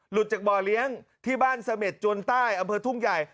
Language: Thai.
จากบ่อเลี้ยงที่บ้านเสม็ดจวนใต้อำเภอทุ่งใหญ่